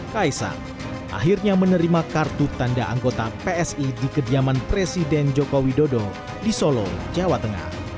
kaisang akhirnya menerima kartu tanda anggota psi di kediaman presiden joko widodo di solo jawa tengah